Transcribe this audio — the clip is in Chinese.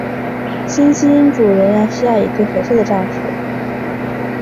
新君主仍然需要一个合适的丈夫。